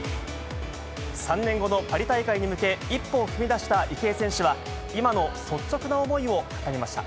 ３年後のパリ大会に向け、一歩を踏み出した池江選手は、今の率直な思いを語りました。